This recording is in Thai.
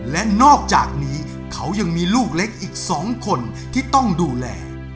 และนอกจากนี้เขายังมีลูกเล็กอีก๒คนที่ต้องดูแล